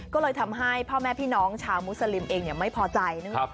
ก็เลยทำให้พ่อแม่พี่น้องชาวมุสลิมเองไม่พอใจนะครับ